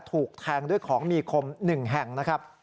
ถูกแทงด้วยของมีคม๑แห่งนะครับ